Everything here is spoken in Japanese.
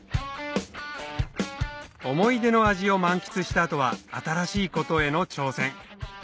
思い出の味を満喫した後は新しいことへの挑戦